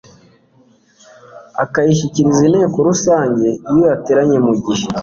akayishyikiriza inteko rusange iyo yateranye mu gihe